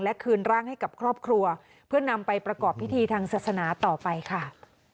และคืนร่างให้กับครอบครัวเพื่อนำไปประกอบพิธีทางศาสนาต่อไปค่ะ